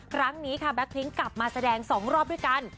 ครั้งนี้แบ็คบลิ้งค์กลับมาแสดงสองรอบด้วยกัน